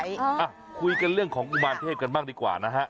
ทีนี้เราจะพูดเรื่องของกุมารเทพฯกันบ้างดีกว่านะค่ะ